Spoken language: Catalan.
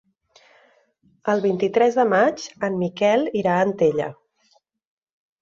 El vint-i-tres de maig en Miquel irà a Antella.